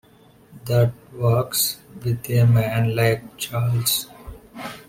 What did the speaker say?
That works with a man like Charles.